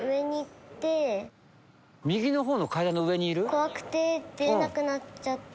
怖くて出られなくなっちゃって。